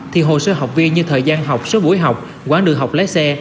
thì hồ sơ học viên như thời gian học số buổi học quãng đường học lái xe